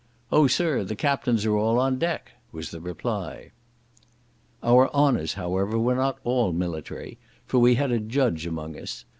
"Oh, sir, the captains are all on deck," was the reply. Our honours, however, were not all military, for we had a judge among us.